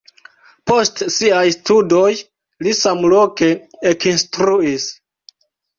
Post siaj studoj li samloke ekinstruis.